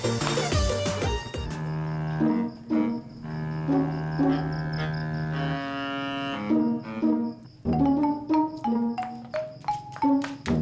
gue mesti maju dulu anda ah